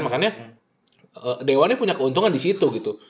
makanya dewannya punya keuntungan di situ gitu